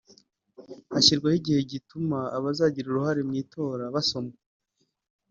hashyirwaho igihe gituma abazagira uruhare mu itora basoma